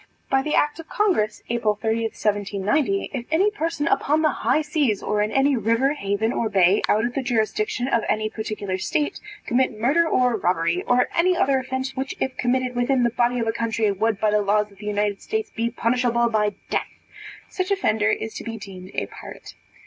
By the act of congress, April 30, 1790, if any person upon the high seas, or in any river, haven, or bay, out of the jurisdiction of any particular state, commit murder or robbery, or any other offence which if committed within the body of a county, would by the laws of the United States, be punishable by death, such offender is to be deemed a pirate.